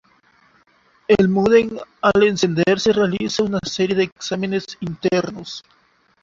El módem al encenderse realiza una serie de exámenes internos.